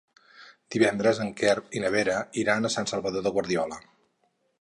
Divendres en Quer i na Vera iran a Sant Salvador de Guardiola.